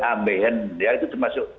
ambehen itu termasuk